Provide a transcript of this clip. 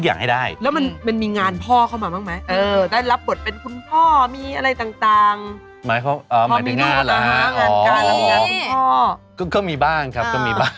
คนอาบน้ำให้ลูกเองไหม